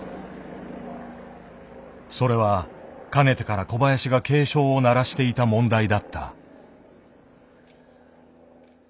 それはかねてから小林が警鐘を鳴らしていた問題だった。